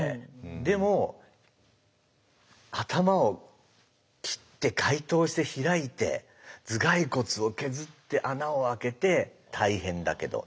でも頭を切って開頭して開いて頭蓋骨を削って穴をあけて大変だけど。